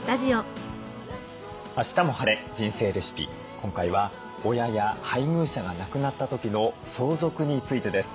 今回は親や配偶者が亡くなった時の相続についてです。